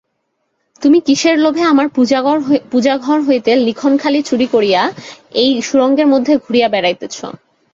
তুমি কিসের লোভে আমার পূজাঘর হইতে লিখনখানি চুরি করিয়া এই সুরঙ্গের মধ্যে ঘুরিয়া বেড়াইতেছ।